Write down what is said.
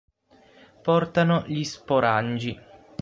Portano gli sporangi.